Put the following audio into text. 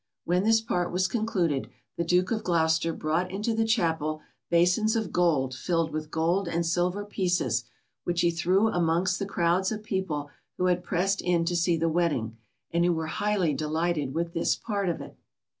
When this part was concluded, the Duke of Gloucester brought into the chapel basins of gold filled with gold and silver pieces, which he threw amongst the crowds of people who had pressed in to see the wedding, and who were highly delighted with this part of it.